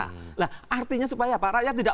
nah artinya supaya pak rakyat tidak